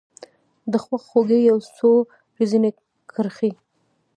دخوا خوګۍ یو څو رزیني کرښې